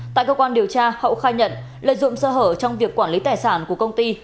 tại cơ quan điều tra hậu khai nhận lợi dụng sơ hở trong việc quản lý tài sản của công ty